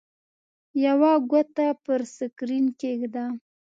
یوه ګوته پر سکرین کېږده.